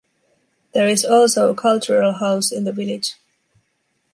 There is also a cultural house in the village.